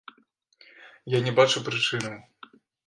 Я не бачу прычынаў.